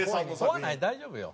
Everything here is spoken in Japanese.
怖ない大丈夫よ。